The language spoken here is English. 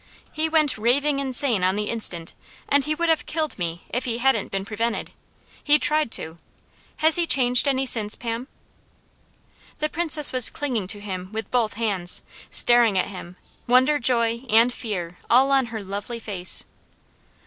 He went raving insane on the instant, and he would have killed me if he hadn't been prevented; he tried to; has he changed any since, Pam?" The Princess was clinging to him with both hands, staring at him, wonder, joy, and fear all on her lovely face.